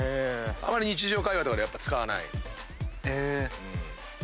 あまり日常会話ではやっぱ使わない。